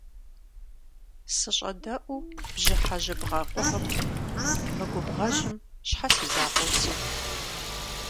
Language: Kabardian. СыщӀэдэӀуу бжьыхьэ жьыбгъэ къугъым, мы губгъуэжьым щхьэ си закъуэу сит?